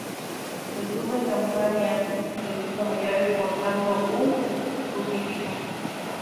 Estuvo en compañía de sus familiares portando un Crucifijo.